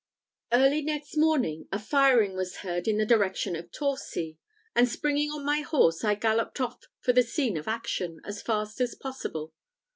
Early next morning, a firing was heard in the direction of Torcy; and springing on my horse, I galloped off for the scene of action, as fast as possible.